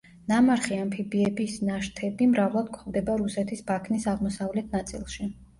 ნამარხი ამფიბიების ნაშთები მრავლად გვხვდება რუსეთის ბაქნის აღმოსავლეთ ნაწილში.